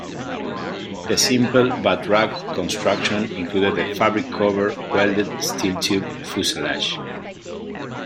The simple but rugged construction included a fabric-covered welded steel tube fuselage.